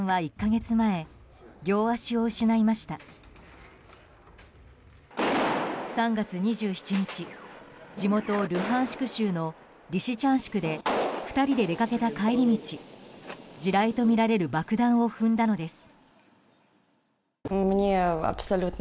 ３月２７日、地元ルハンシク州のリシチャンシクで２人で出かけた帰り道地雷とみられる爆弾を踏んだのです。